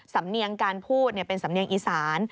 สำเนียงการพูดเป็นสำเนียงอีสาน